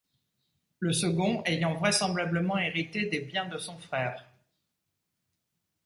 Le second ayant vraisemblablement hérité des biens de son frère.